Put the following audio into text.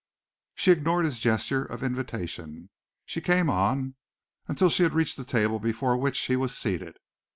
She ignored his gesture of invitation. She came on until she had reached the table before which he was seated.